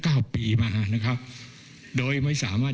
ก็ก็ได้มา